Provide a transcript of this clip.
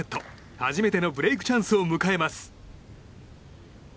初めてのブレークチャンスを迎えます。